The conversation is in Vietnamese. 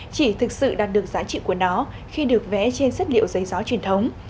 chỉ thực sự đạt được giá trị của nó khi được vẽ trên chất liệu giấy gió truyền thống